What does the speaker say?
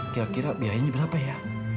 kira kira biayanya berapa ya